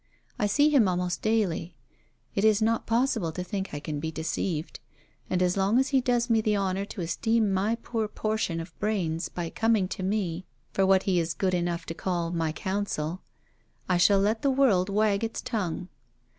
I see him almost daily; it is not possible to think I can be deceived; and as long as he does me the honour to esteem my poor portion of brains by coming to me for what he is good enough to call my counsel, I shall let the world wag its tongue.